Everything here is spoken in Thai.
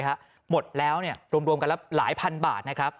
หมดแล้วรวมกันลบหลายพันบาท